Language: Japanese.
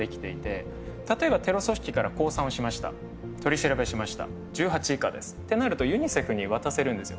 例えばテロ組織から降参をしました取り調べしました１８以下ですってなるとユニセフに渡せるんですよ。